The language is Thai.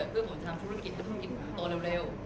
เพื่อผมทำธุรกิจให้ธุรกิจผมโตเร็ว